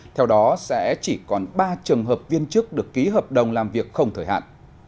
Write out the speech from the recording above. theo đó sẽ chỉ còn ba trường hợp viên chức được ký hợp đồng làm việc không thời hạn